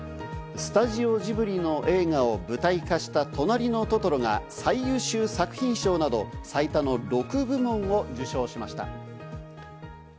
スタジオジブリの映画を舞台化した『となりのトトロ』が最優秀作品賞など最多の６部門を受賞しました。